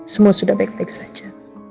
semua sudah baik baik saja